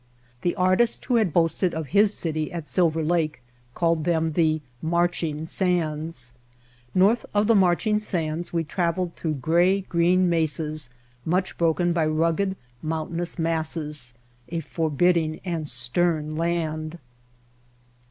The artist who had boasted of his city at Silver Lake called them the "marching sands." North of the marching sands we traveled through gray green mesas much broken by rugged, mountain ous masses, a forbidding and stern land.